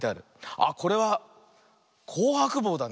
あっこれは「こうはくぼう」だね。